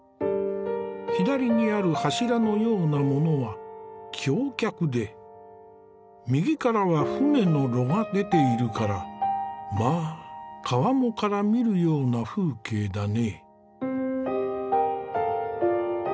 左にある柱のようなものは橋脚で右からは舟の櫓が出ているからまあ川面から見るような風景だね。